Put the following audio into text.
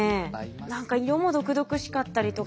何か色も毒々しかったりとか。